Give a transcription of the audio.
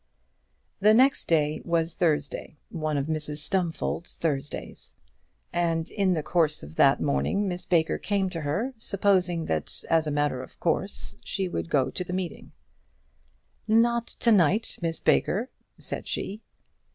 The next day was Thursday, one of Mrs Stumfold's Thursdays, and in the course of the morning Miss Baker came to her, supposing that, as a matter of course, she would go to the meeting. "Not to night, Miss Baker," said she.